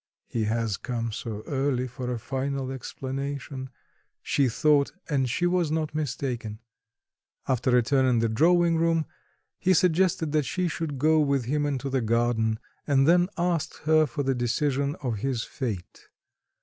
"He has come so early for a final explanation," she thought, and she was not mistaken. After a turn in the drawing room, he suggested that she should go with him into the garden, and then asked her for the decision of his fate.